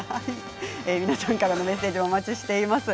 皆さんからメッセージをお待ちしています。